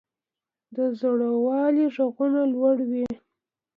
د زړورو ږغونه لوړ وي.